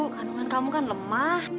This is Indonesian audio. kandungan kamu kan lemah